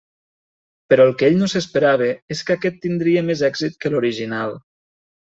Però el que ell no s’esperava és que aquest tindria més èxit que l'original.